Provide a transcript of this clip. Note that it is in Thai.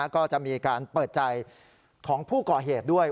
ก็จะมีการเปิดใจของผู้ก่อเหตุด้วย